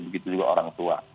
begitu juga orang tua